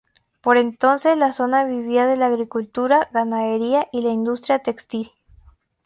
Por entonces la zona vivía de la agricultura, ganadería y la industria textil.